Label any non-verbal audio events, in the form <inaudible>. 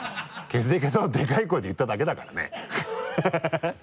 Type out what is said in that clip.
血液型をでかい声で言っただけだからね <laughs>